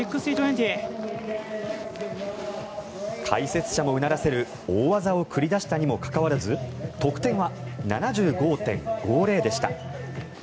解説者もうならせる大技を繰り出したにもかかわらず得点は７５．５０でした。